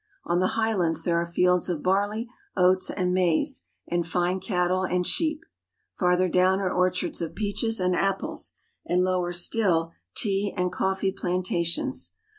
On the highlands there are fields of barley, oats, and maize, and fine cattle and sheep. Farther down are orchards of peaches and apples, and lower still tea and coffee plantations.